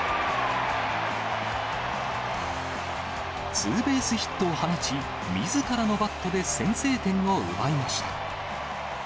ツーベースヒットを放ち、みずからのバットで先制点を奪いました。